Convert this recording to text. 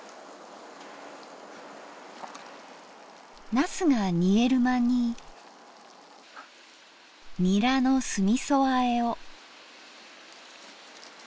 なすが煮える間にニラの酢みそあえを。